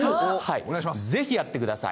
ぜひやってください。